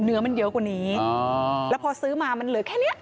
เนื้อมันเยอะกว่านี้แล้วพอซื้อมามันเหลือแค่เนี้ย